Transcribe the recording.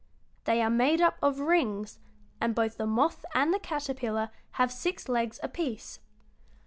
They are made up of rings, and both the moth and the caterpillar have six legs apiece.